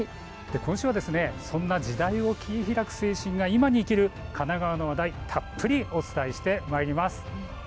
今週はそんな時代を切り開く精神が今に生きる神奈川の話題、たっぷりお伝えしてまいります。